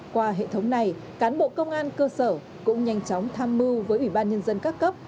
qua hệ thống này cán bộ công an cơ sở cũng nhanh chóng tham mưu với ủy ban nhân dân các cấp